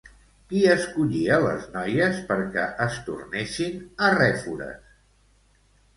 Qui escollia les noies perquè es tornessin arrèfores?